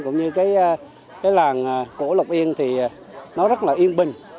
cũng như cái làng cổ lộc yên thì nó rất là yên bình